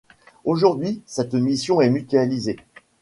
Aujourd'hui, cette mission est mutualisée.